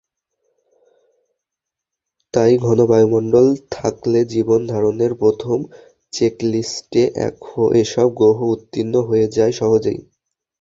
তাই ঘন বায়ুমন্ডল থাকলে জীবন ধারণের প্রথম চেকলিস্টে এসব গ্রহ উত্তীর্ণ হয়ে যায় সহজেই।